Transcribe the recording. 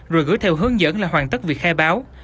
rồi gửi theo hướng dẫn là hoàn tất việc khai báo